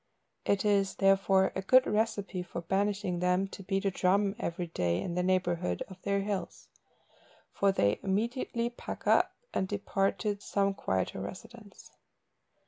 It is, therefore, a good recipe for banishing them to beat a drum every day in the neighbourhood of their hills, for they immediately pack up, and depart to some quieter residence.